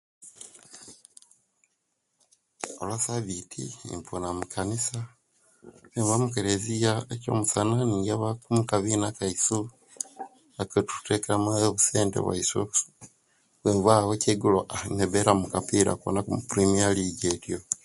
Olwasaabiti impuuna mukanisa owenva mukerezya ekyo'musana ninjabaku omukabiina kaisu aketuteekamu eyo obussente bwaisu wenvaawo ekyegulo aah nebeera mukapiira kuwonaku kapirimya liigi eyo etyo.